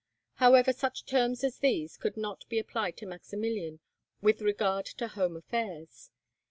However, such terms as these could not be applied to Maximilian with regard to home affairs.